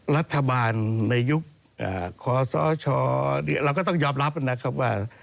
รัฐบาลในยุคคศเราก็ต้องยอมรับนะครับว่า